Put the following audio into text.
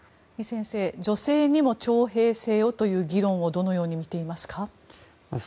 イ先生、女性にも徴兵制をという議論をどのように見ていますか。